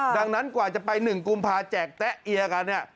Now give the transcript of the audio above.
ดังนั้นกว่าจะไป๑กุมภาแจกแต๊ะเอียกันเนี่ย